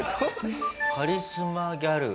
カリスマギャル。